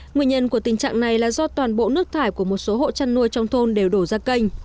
nguyên nhân của tình trạng này là do toàn bộ nước thải của một số hộ chăn nuôi trong thôn đều đổ ra kênh